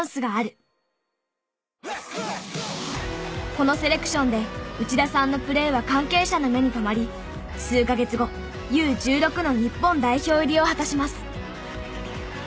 このセレクションで内田さんのプレーは関係者の目に留まり数カ月後Ｕ−１６の日本代表入りを果たします。